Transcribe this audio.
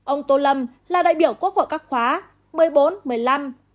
ông tô lâm là đại biểu quốc hội các khóa một mươi bốn một mươi năm